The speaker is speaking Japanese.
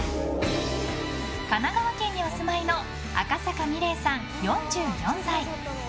神奈川県にお住まいの赤坂みれいさん、４４歳。